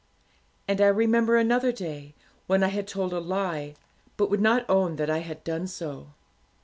'And I remember another day, when I had told a lie, but would not own that I had done so.